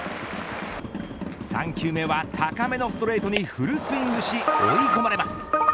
３球目は高めのストレートにフルスイングし追い込まれます。